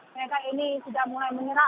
mereka ini sudah mulai menyerang